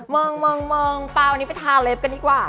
มองปลาวันนี้ไปทาเล็บกันดีกว่า